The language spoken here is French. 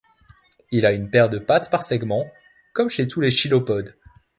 Il y a une paire de pattes par segment, comme chez tous les chilopodes.